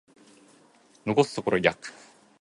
残すところ約